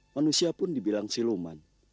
manusia pun dibilang siluman